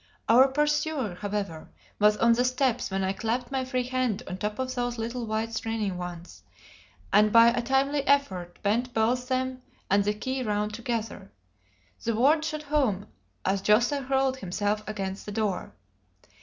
Our pursuer, however, was on the steps when I clapped my free hand on top of those little white straining ones, and by a timely effort bent both them and the key round together; the ward shot home as José hurled himself against the door.